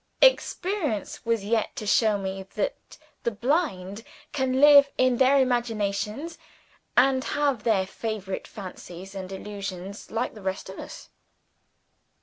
Experience was yet to show me that the blind can live in their imaginations, and have their favorite fancies and illusions like the rest of us.